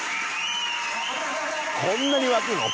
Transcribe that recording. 「こんなに沸くの？」